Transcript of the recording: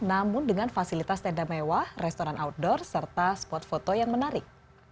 namun dengan fasilitas tenda mewah restoran outdoor serta spot foto yang menarik